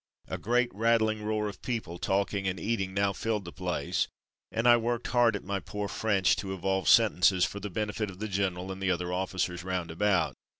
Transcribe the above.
A great rattling roar of people talking and eating now filled the place, and I worked hard at my poor French to evolve sentences for the benefit of the general and the other officers round about.